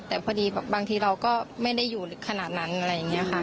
แต่พอดีบางทีเราก็ไม่ได้อยู่ขนาดนั้นอะไรอย่างนี้ค่ะ